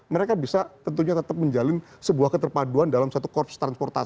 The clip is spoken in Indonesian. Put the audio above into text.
mereka bisa tentunya tetap menjalin sebuah keterpaduan dalam satu korps transportasi